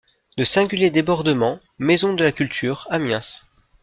De singuliers débordements, Maison de la Culture, Amiens.